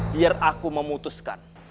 biar aku memutuskan